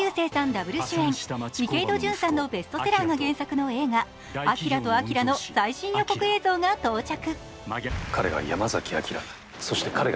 ダブル主演、池井戸潤さんのベストセラーが原作の映画「アキラとあきら」の最新予告映像が到着。